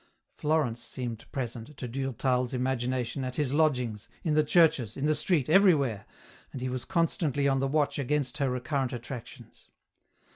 Florence seemed present, to Durtal's imagination, at his lodgings, in the churches, in the street, everywhere, and he was constantly on the watch against her recurrent attractions.